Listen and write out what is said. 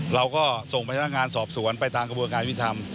เราก็ทรงไปเรื่องงานสอบสวนไปตามกระบวกการวิธรรม